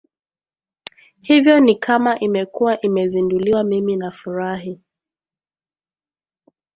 hivyo ni kama imekuwa imezinduliwa mimi nafurahi